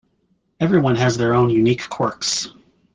Everyone has their own unique quirks.